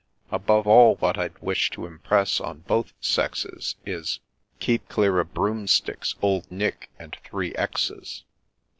— Above all, what I'd wish to impress on both sexes Is, — Keep clear of Broomsticks, Old Nick, and three XXX's.